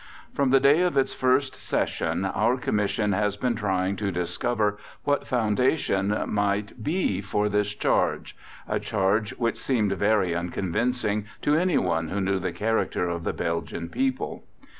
From the day of its First Session our Commission has been trying to discover what foundation there might be for this charge a charge which seemed very unconvincing to anyone who knew the character of the Belgian people.